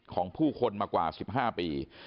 ของผู้คนมากว่า๑๕ปี